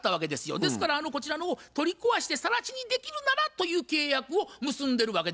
ですからこちらの方取り壊してさら地にできるならという契約を結んでるわけですから。